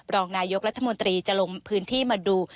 รองนายกรัฐมนตรีจะลงพื้นที่มาดู